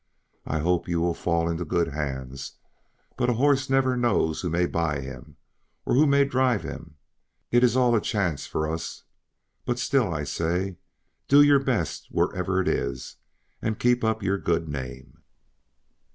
"I hope you will fall into good hands, but a horse never knows who may buy him, or who may drive him; it is all a chance for us; but still I say, do your best wherever it is, and keep up your good name."